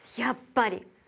やっぱり！